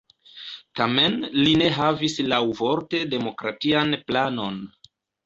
Tamen li ne havis laŭvorte demokratian planon.